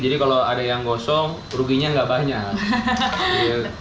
jadi kalau ada yang gosong ruginya nggak banyak